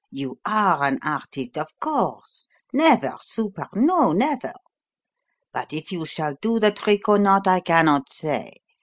"You are an artist, of course; never super no, never. But if you shall do the trick or not, I cannot say.